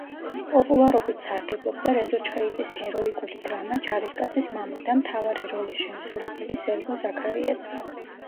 პოპულარობით სარგებლობდა რეზო ჩხეიძის ჰეროიკული დრამა „ჯარისკაცის მამა“ და მთავარი როლის შემსრულებელი სერგო ზაქარიაძე.